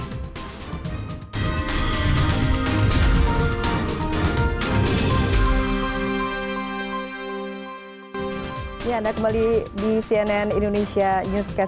ya anda kembali di cnn indonesia newscast